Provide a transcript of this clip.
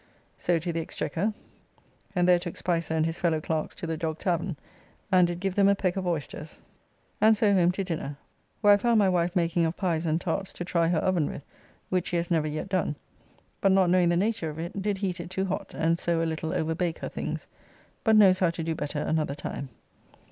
So to the Exchequer, and there took Spicer and his fellow clerks to the Dog tavern, and did give them a peck of oysters, and so home to dinner, where I found my wife making of pies and tarts to try, her oven with, which she has never yet done, but not knowing the nature of it, did heat it too hot, and so a little overbake her things, but knows how to do better another time.